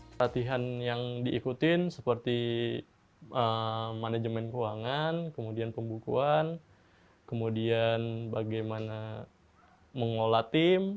pelatihan yang diikutin seperti manajemen keuangan kemudian pembukuan kemudian bagaimana mengolah tim